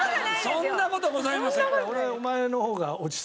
そんな事ございません！